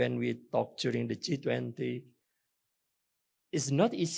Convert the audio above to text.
ini adalah yang saya pikir ketika kita berbicara pada g dua puluh